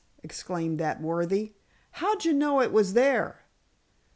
exclaimed that worthy. "Howja know it was there?"